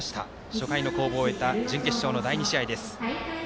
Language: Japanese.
初回の攻防を終えた準決勝の第２試合です。